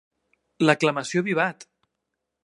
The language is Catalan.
L'aclamació "Vivat!"